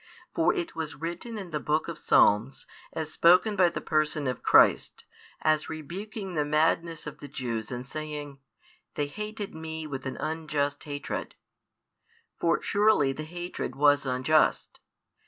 For it was written in the Book of Psalms, as spoken by the Person of Christ, as rebuking |429 the madness of the Jews and saying, They hated Me with an unjust hatred. For surely the hatred was unjust.